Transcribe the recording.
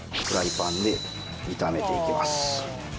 フライパンで炒めていきます。